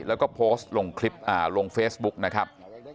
แล้วก็โพสต์ลงคลิปลงเฟซบุ๊กนะครับ